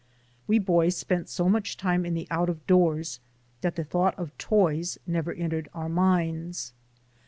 We boys spent so much time in the out of doors that the thought of toys never entered our minds.